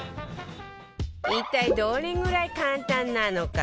一体どれぐらい簡単なのか？